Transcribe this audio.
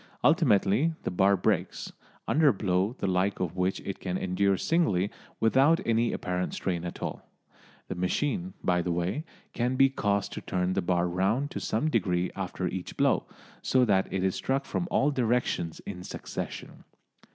Ultimately the bar breaks, under a blow the like of which it can endure singly without any apparent strain at all. The machine, by the way, can be caused to turn the bar round to some degree after each blow, so that it is struck from all directions in succession.